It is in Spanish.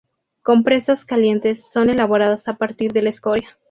Compresas calientes son elaboradas a partir de la escoria.